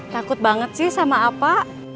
takut banget sih sama apa